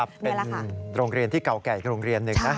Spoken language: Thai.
เป็นโรงเรียนที่เก่าแก่อีกโรงเรียนหนึ่งนะ